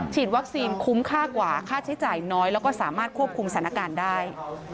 วัคซีนคุ้มค่ากว่าค่าใช้จ่ายน้อยแล้วก็สามารถควบคุมสถานการณ์ได้